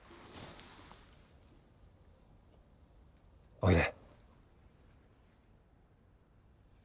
おいで。